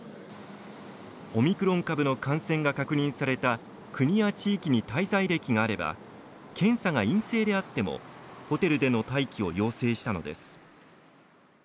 オミクロン株の感染が確認された国や地域に滞在歴があれば検査が陰性であってもホテルでの待機を要請したのです。